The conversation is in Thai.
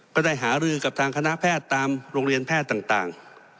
ก็ได้หารือกับทางคณะแพทย์ตามโรงเรียนแพทย์ต่าง